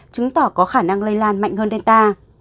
chứng tỏ có khả năng lây lan mạnh hơn delta